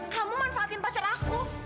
kamu manfaatin pasien aku